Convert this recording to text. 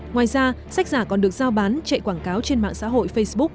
ngoài ra sách giả còn được giao bán chạy quảng cáo trên mạng xã hội facebook